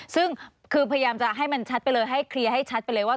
ซึ่งคือพยายามจะให้มันชัดไปเลยให้เคลียร์ให้ชัดไปเลยว่า